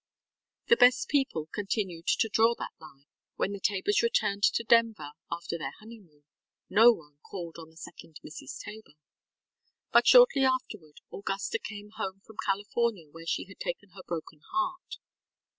The best people continued to draw that line. When the Tabors returned to Denver after their honeymoon, no one called on the second Mrs. Tabor. But shortly afterward Augusta came home from California where she had taken her broken heart.